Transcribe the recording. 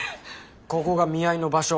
ここが見合いの場所。